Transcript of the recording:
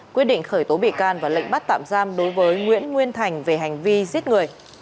quyết định khởi tố bị can và lệnh bắt tạm giam đối với nguyễn nguyên thành về hành vi giết người